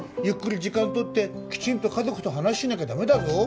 「ゆっくり時間とってきちんと家族と話しなきゃダメだぞ」